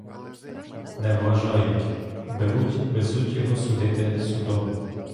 Не вважають — беруть, везуть його судити судом.